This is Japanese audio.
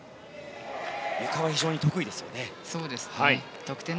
ゆかは非常に得意ですよね。